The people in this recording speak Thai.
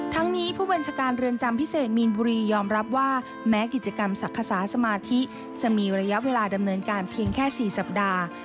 ทั้งนี้ผู้บัญชาการเรือนจำพิเศษมีนบุรียอมรับว่าแม้กิจกรรมศักดิ์ขสาสมาธิจะมีระยะเวลาดำเนินการเพียงแค่๔สัปดาห์